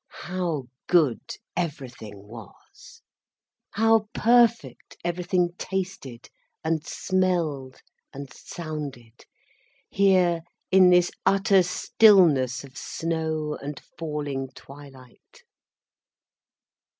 How good everything was! How perfect everything tasted and smelled and sounded, here in this utter stillness of snow and falling twilight.